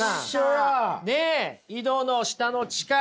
井戸の下の地下。